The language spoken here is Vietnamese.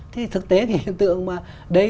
thì thực tế thì hiện tượng mà